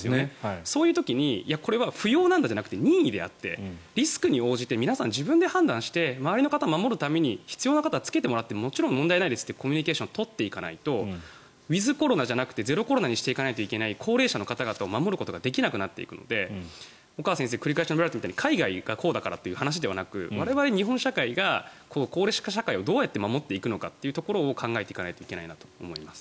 そういう時にこれは不要なんだじゃなくて任意だとリスクに応じて判断して周りの方を守るために必要な方はつけてもらってもちろん問題ないですというコミュニケーションを取っていかないとウィズコロナじゃなくてゼロコロナにしていかないといけない高齢者の方々を守ることができなくなっていくので岡先生が述べられたように海外がこうだからじゃなくて我々、日本社会が高齢化社会をどうやって守っていくのかというところを考えていかないといけないと思います。